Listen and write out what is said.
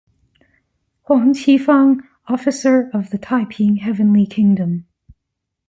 Huang Qifang, officer of the Taiping Heavenly Kingdom